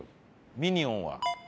ミニオンは？